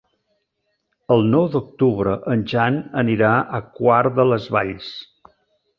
El nou d'octubre en Jan anirà a Quart de les Valls.